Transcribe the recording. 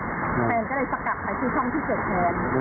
แฟนก็เลยสกัดไปที่ช่องที่๗แฟน